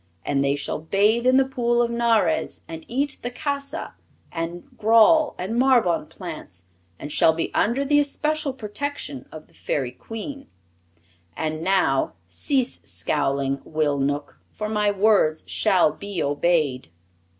And they shall bathe in the Pool of Nares, and eat the casa and grawle and marbon plants and shall be under the especial protection of the Fairy Queen. And now cease scowling, Will Knook, for my words shall be obeyed!"